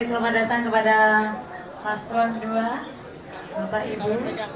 selamat datang kepada paslon dua bapak ibu